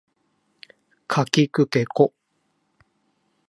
かきくけこ